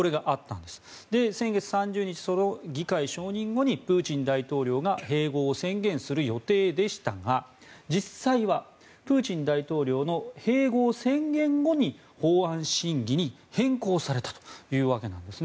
先月３０日、その議会承認後にプーチン大統領が併合を宣言する予定でしたが実際はプーチン大統領の併合宣言後に法案審議に変更されたというわけです。